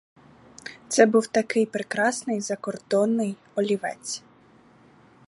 Це був такий прекрасний закордонний олівець.